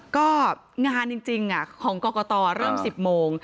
ก็งานจริงของกรกตเริ่ม๑๐โมง